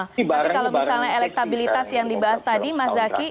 tapi kalau misalnya elektabilitas yang dibahas tadi mas zaky